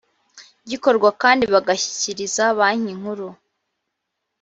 gikorwa kandi bagashyikiriza banki nkuru